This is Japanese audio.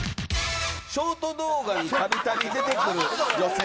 ショート動画にたびたび出てくる女性。